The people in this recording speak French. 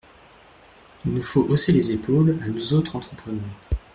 Ils nous font hausser les épaules, à nous autres entrepreneurs !…